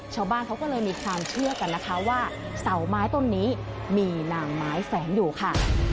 ชาวบ้านเขาก็เลยมีความเชื่อกันนะคะว่าเสาไม้ต้นนี้มีนางไม้แฝงอยู่ค่ะ